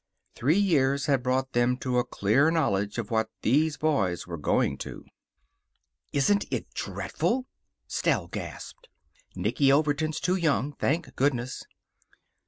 Three years had brought them to a clear knowledge of what these boys were going to. "Isn't it dreadful!" Stell gasped. "Nicky Overton's too young, thank goodness."